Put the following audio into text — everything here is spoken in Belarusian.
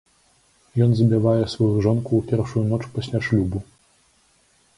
Ён забівае сваю жонку ў першую ноч пасля шлюбу.